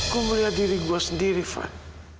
gua melihat diri gua sendiri taufan